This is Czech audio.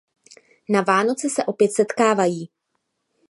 Na Vánoce se opět setkávají.